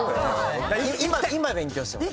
今勉強してます。